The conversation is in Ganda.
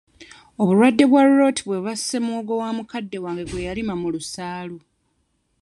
Obulwadde bwa Rot bwe bwasse muwogo wa mukadde wange gwe yalima mu lusaalu.